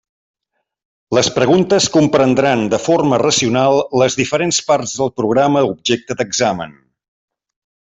Les preguntes comprendran de forma racional les diferents parts del programa objecte d'examen.